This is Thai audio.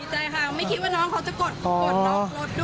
ใจค่ะไม่คิดว่าน้องเขาจะกดล็อกรถด้วย